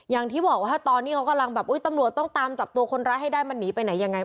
อย่างที่บอกว่าตอนนี้เขากำลังแบบอุ๊ยตำรวจต้องตามจับตัวคนร้ายให้ได้มันหนีไปไหนยังไง